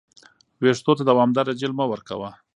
ویښتو ته دوامداره جیل مه ورکوه.